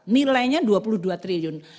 nilainya dua puluh dua triliun